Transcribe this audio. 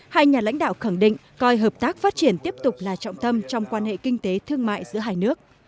hai nhà lãnh đạo khẳng định coi hợp tác phát triển tiếp tục là trọng tâm trong quan hệ kinh tế thương mại giữa hai nước